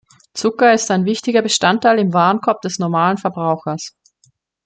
Zucker ist ein wichtiger Bestandteil im Warenkorb des normalen Verbrauchers.